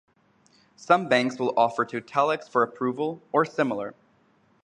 Some banks will offer to "Telex for Approval" or similar.